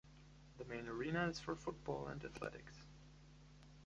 The main arena is for football and athletics.